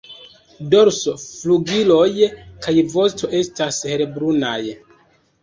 Dorso, flugiloj kaj vosto estas helbrunaj.